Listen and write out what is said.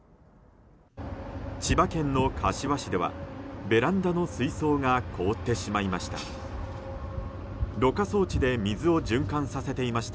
千葉県の柏市ではベランダの水槽が凍ってしまいました。